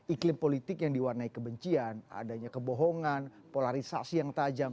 iklim politik yang diwarnai kebencian adanya kebohongan polarisasi yang tajam